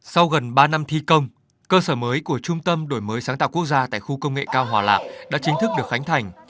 sau gần ba năm thi công cơ sở mới của trung tâm đổi mới sáng tạo quốc gia tại khu công nghệ cao hòa lạc đã chính thức được khánh thành